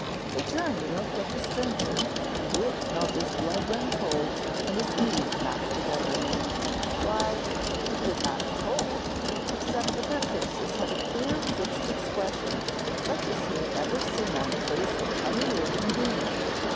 They turned and looked at the stranger, and Rip felt his blood run cold and his knees knock together. Why he could not have told, except that their faces had a queer, fixed expression such as he had never seen on the face of any living being.